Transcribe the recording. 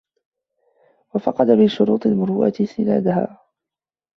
وَفَقَدَ مِنْ شُرُوطِ الْمُرُوءَةِ سِنَادَهَا